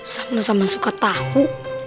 sama sama suka tahu